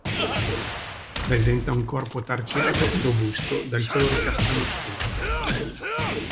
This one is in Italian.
Presenta un corpo tarchiato e robusto, dal colore castano scuro.